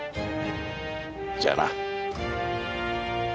じゃあな。